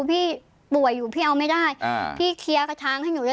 พี่ป่วยอยู่พี่เอาไม่ได้พี่เคลียร์กระทางให้หนูเลย